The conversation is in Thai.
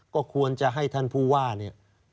ก็ควรจะให้ท่านผู้ว่าเนี่ย